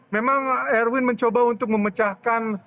memang erwin mencoba untuk memecahkan